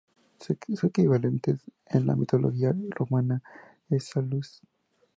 Su equivalente en la mitología romana es Salus.